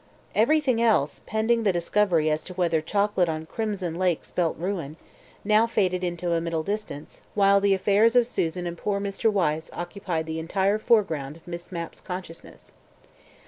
Everything else (pending the discovery as to whether chocolate on crimson lake spelt ruin) now faded into a middle distance, while the affairs of Susan and poor Mr. Wyse occupied the entire foreground of Miss Mapp's consciousness.